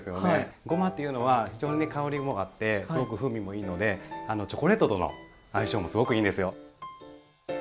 ごまっていうのは非常に香りもあってすごく風味もいいのでチョコレートとの相性もすごくいいんですよ。